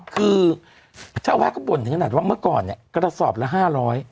คือเจ้าอาวาสก็บ่นถึงขนาดว่าเมื่อก่อนเนี่ยกระสอบละ๕๐๐